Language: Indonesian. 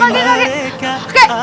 ya ya kak keh